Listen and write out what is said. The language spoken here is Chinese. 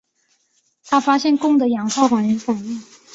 他发现了汞的氧化还原反应。